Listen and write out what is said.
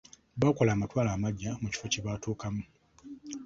Baakola amatwale amaggya mu kifo kye batuukamu.